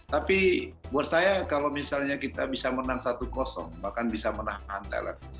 tapi buat saya kalau misalnya kita bisa menang satu bahkan bisa menangkan thailand